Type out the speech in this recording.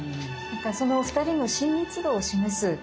その２人の親密度を示す